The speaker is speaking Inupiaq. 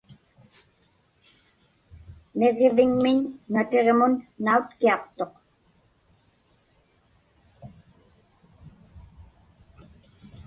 Niġġiviŋmiñ natiġmun nautkiaqtuq.